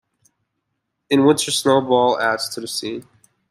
In winter snowfall adds to the scene.